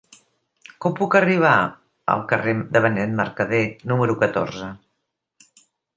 Com puc arribar al carrer de Benet Mercadé número catorze?